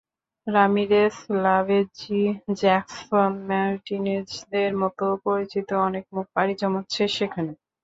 Ramirez, Lavezzi, Jackson মার্টিনেজদের মতো পরিচিত অনেক মুখ পাড়ি জমাচ্ছে সেখানে।